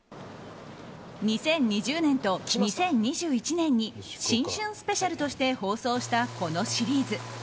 ２０２０年と２０２１年に新春スペシャルとして放送したこのシリーズ。